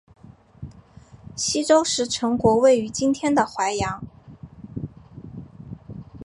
西周时陈国位于今天的淮阳。